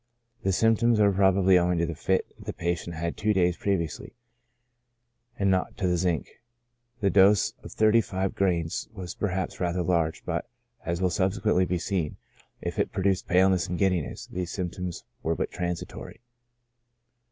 The symptoms were probably owing to the fit the patient had two days previously, and not to the zinc ; the dose of thirty five grains was perhaps rather large, but, as will sub sequently be seen, if it produced paleness and giddiness, these symptoms were but transitory.